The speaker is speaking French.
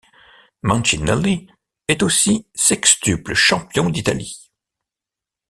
Mancinelli est aussi sextuple champion d'Italie.